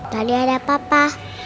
tadi ada papa